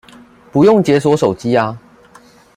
不用解鎖手機啊